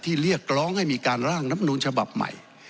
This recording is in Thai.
เรียกร้องให้มีการร่างนับนูลฉบับใหม่